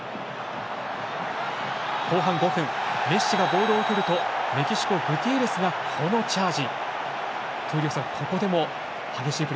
後半５分メッシがボールを受けるとメキシコグティエレスがこのチャージ。